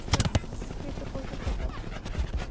মৃত পশু খেতাম।